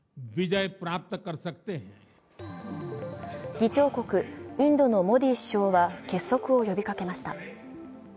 議長国・インドのモディ首相は結束を呼びかけました。